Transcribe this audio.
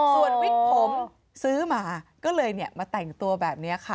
ส่วนวิกผมซื้อมาก็เลยมาแต่งตัวแบบนี้ค่ะ